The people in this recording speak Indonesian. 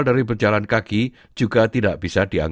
yang perjalanan sedikit lebih lambat